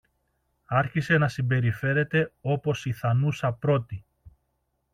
άρχισε να συμπεριφέρεται όπως η θανούσα πρώτη.